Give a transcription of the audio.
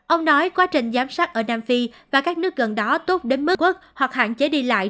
ông nói quá trình giám sát ở nam phi và các nước gần đó tốt đến mức hoặc hạn chế đi lại